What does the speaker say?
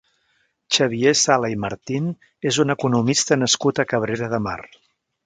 Xavier Sala i Martín és un economista nascut a Cabrera de Mar.